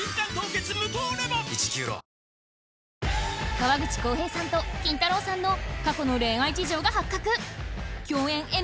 河口こうへいさんとキンタローさんの過去の恋愛事情が発覚！